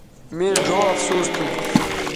مے ڙھؤ افسوس تھو